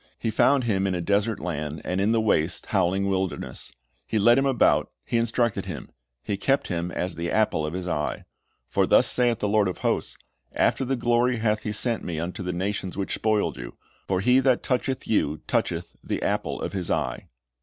He found him in a desert land, and in the waste, howling wilderness; He led him about, He instructed him. He kept him as the apple of His eye." "For thus saith the Lord of hosts: After the glory hath He sent me unto the nations which spoiled you; for he that toucheth you toucheth the apple of His eye."